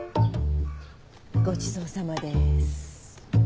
ごちそうさまです。